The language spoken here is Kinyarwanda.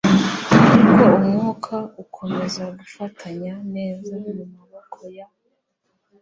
Ariko umwuka ukomeza gufatanya neza mumaboko ya